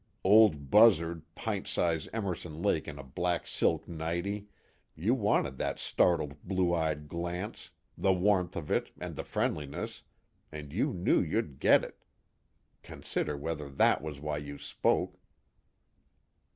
_Old buzzard, pint size Emerson Lake in a black silk nightie, you wanted that startled blue eyed glance, the warmth of it and the friendliness, and you knew you'd get it: consider whether that was why you spoke.